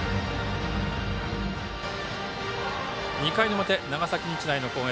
２回の表、長崎日大の攻撃。